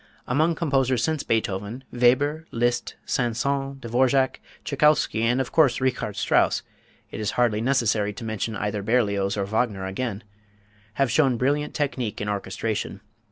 Among composers since Beethoven, Weber, Liszt, Saint Saëns, Dvorak, Tschaikowsky, and, of course, Richard Strauss it hardly is necessary to mention either Berlioz or Wagner again have shown brilliant technique in orchestration.